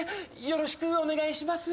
よろしくお願いします。